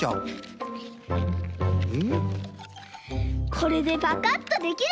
これでパカッとできる！